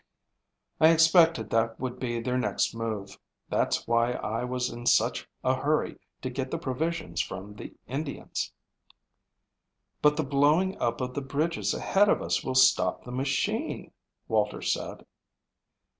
"I expected that would be their next move. That's why I was in such a hurry to get the provisions from the Indians." "But the blowing up of the bridges ahead of us will stop the machine," Walter said.